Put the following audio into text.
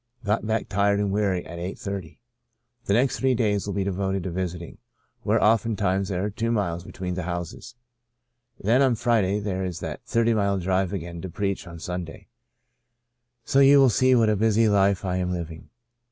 Got back tired and weary at eight thirty. The next three days will be devoted to visiting, where oftentimes there are two miles be tween the houses. Then on Friday there is that thirty mile drive again to preach on The Portion of Manasseh 1 1 7 Sunday. So you see what a busy life I am living.